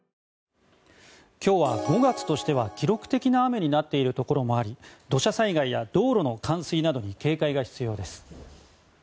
今日は５月としては記録的な雨になっているところもあり土砂災害や道路の冠水などに警戒が必要です。